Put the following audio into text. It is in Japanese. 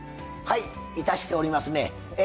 いたしておりますね。